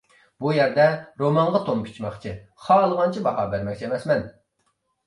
بۇ يەردە رومانغا تون پىچماقچى، خالىغانچە باھا بەرمەكچى ئەمەسمەن.